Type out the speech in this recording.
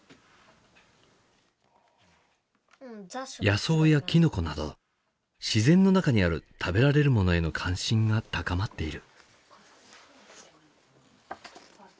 野草やキノコなど自然の中にある食べられるものへの関心が高まっている。